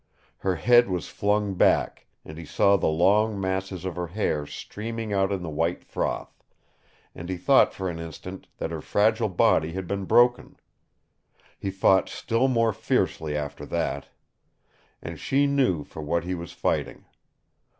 Her head was flung back, and he saw the long masses of her hair streaming out in the white froth, and he thought for an instant that her fragile body had been broken. He fought still more fiercely after that. And she knew for what he was fighting.